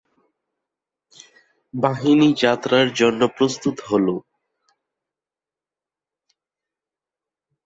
বাহিনী যাত্রার জন্য প্রস্তুত হলো।